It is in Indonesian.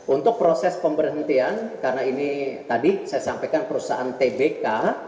untuk proses pemberhentian karena ini tadi saya sampaikan perusahaan tbk